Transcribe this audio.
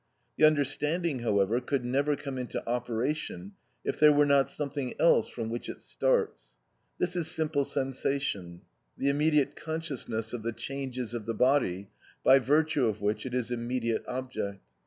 The understanding, however, could never come into operation if there were not something else from which it starts. This is simple sensation—the immediate consciousness of the changes of the body, by virtue of which it is immediate object.